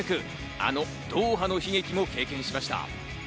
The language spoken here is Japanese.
あのドーハの悲劇も経験しました。